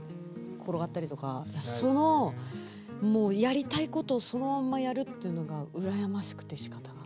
転がったりとかそのもうやりたいことをそのままやるっていうのがうらやましくてしかたがない。